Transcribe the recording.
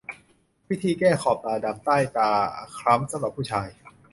วิธีแก้ขอบตาดำ ใต้ตาคล้ำสำหรับผู้ชาย